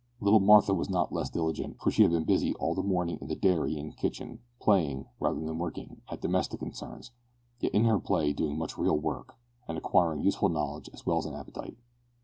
Little Martha was not less diligent, for she had been busy all the morning in the dairy and kitchen, playing, rather than working, at domestic concerns, yet in her play doing much real work, and acquiring useful knowledge, as well as an appetite.